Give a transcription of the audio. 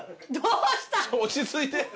落ち着いて！